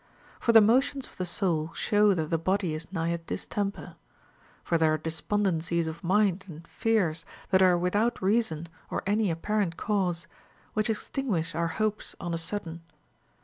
For the motions of the soul shoAV that the body is nigh a distemper. For there are despondencies of mind and fears that are without reason or any apparent cause, which extinguish our hopes on a sudden.